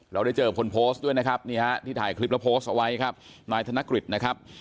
เราได้เจอคนโพสต์ด้วยนะครับนี่ฮะที่ถ่ายคลิปแล้วโพสต์เอาไว้ครับนายธนกฤษนะครับ